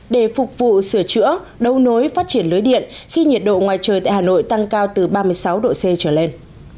để phục vụ sửa chữa đấu nối phát triển lưới điện khi nhiệt độ ngoài trời tại hà nội tăng cao từ ba mươi sáu độ c trở lên